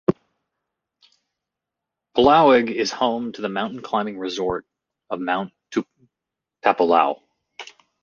Palauig is home to the mountain climbing resort of Mount Tapulao.